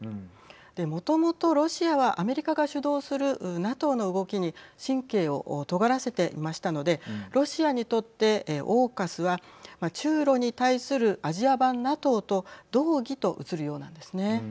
で、もともとロシアはアメリカが主導するＮＡＴＯの動きに神経をとがらせていましたのでロシアにとってＡＵＫＵＳは中ロに対するアジア版ＮＡＴＯと同義と映るようなんですね。